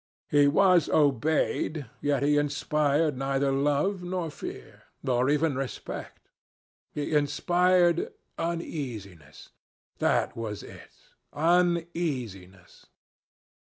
He was obeyed, yet he inspired neither love nor fear, nor even respect. He inspired uneasiness. That was it! Uneasiness.